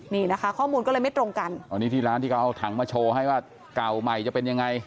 นี่นะคะข้อมูลก็เลยไม่ตรงกันอ๋อนี่ที่ร้านที่เขาเอาถังมาโชว์ให้ว่าเก่าใหม่จะเป็นยังไง